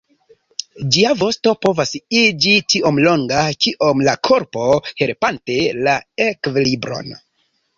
Ĝia vosto povas iĝi tiom longa kiom la korpo, helpante la ekvilibron.